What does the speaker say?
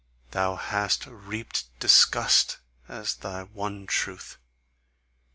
Thou hast reaped disgust as thy one truth.